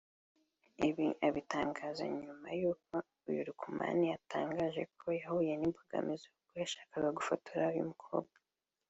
Ibi abitangaje nyuma y’uko uyu Luqman atangaje ko yahuye n’imbogamizi ubwo yashakaga gufotora uyu mukobwa